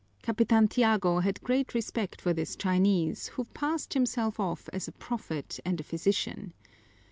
Capitan Tiago had great respect for this Chinese, who passed himself off as a prophet and a physician.